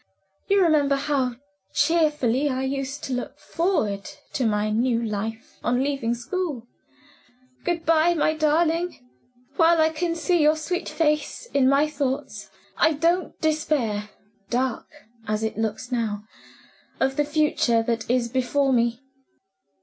You remember how cheerfully I used to look forward to my new life, on leaving school? Good by, my darling. While I can see your sweet face, in my thoughts, I don't despair dark as it looks now of the future that is before me."